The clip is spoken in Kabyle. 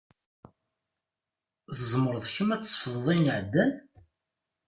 Tzemreḍ kemm ad tsefḍeḍ ayen iɛeddan?